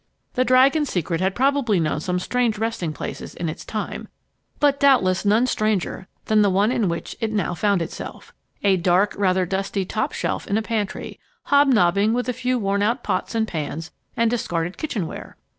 The Dragon's Secret had probably known some strange resting places in its time, but doubtless none stranger than the one in which it now found itself a dark, rather dusty top shelf in a pantry, hobnobbing with a few worn out pots and pans and discarded kitchen ware!